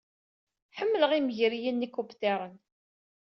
Ḥemmleɣ imegliyen n yikubṭiren.